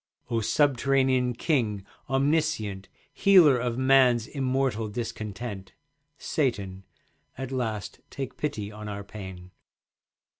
O subterranean King, omniscient, Healer of man's immortal discontent, Satan, at last take pity on our pain.